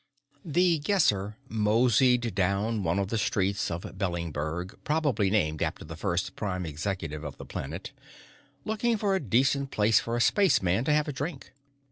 The Guesser moseyed down one of the streets of Bellinberg probably named after the first Prime Executive of the planet looking for a decent place for a spaceman to have a drink.